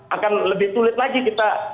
akan lebih sulit lagi kita